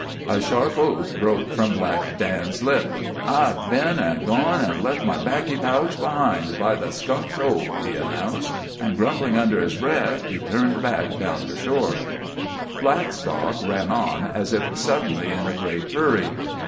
A sharp oath broke from Black Dan's lips. "I've been an' gone an' left my 'baccy pooch behind, by the skunk's hole," he announced. And grumbling under his breath he turned back down the shore. Blackstock ran on, as if suddenly in a great hurry.